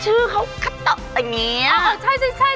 ชื่อเขาคัตะขอบคุณค่ะ